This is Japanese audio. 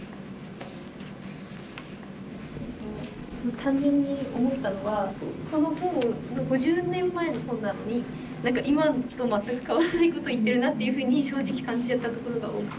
単純に思ったのはこの本５０年前の本なのに何か今と全く変わらないこと言ってるなっていうふうに正直感じちゃったところが多くて。